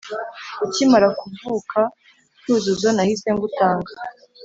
ukimara kuvuka cyuzuzo nahise ngutanga